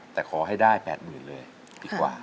แต่ขอให้ได้แปดหมื่นเลยอีกกว่า